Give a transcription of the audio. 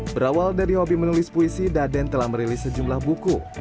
berawal dari hobi menulis puisi daden telah merilis sejumlah buku